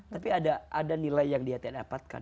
tapi ada nilai yang dia tidak dapatkan